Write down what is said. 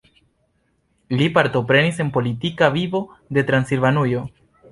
Li partoprenis en politika vivo de Transilvanujo.